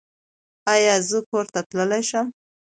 ایا زه کور ته تللی شم؟